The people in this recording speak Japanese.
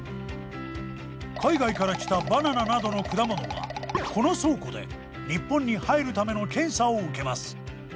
海外から来たバナナなどの果物はこの倉庫で日本に入るための検査を受けます。